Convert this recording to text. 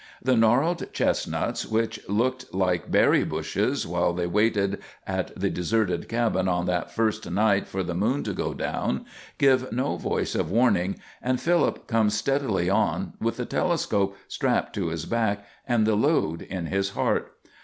The gnarled chestnuts, that looked like berry bushes while they waited at the deserted cabin on that first night for the moon to go down, give no voice of warning, and Philip comes steadily on, with the telescope strapped to his back and the load in his heart.